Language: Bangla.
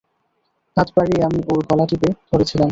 হাত বাড়িয়ে আমি ওর গলাটিপে ধরেছিলাম।